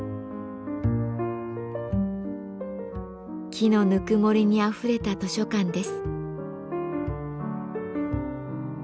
木のぬくもりにあふれた図書館です。